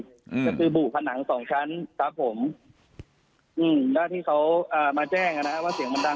ก็คือบู่ผนังสองชั้นครับผมแล้วที่เค้ามาแจ้งนะครับว่าเสียงมันดัง